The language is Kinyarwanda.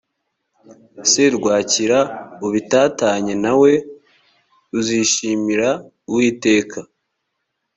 serwakira ubitatanye nawe uzishimira uwiteka